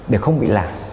để không bị lạ